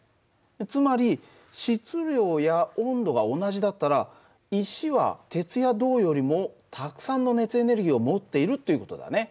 つまり質量や温度が同じだったら石は鉄や銅よりもたくさんの熱エネルギーを持っているという事だね。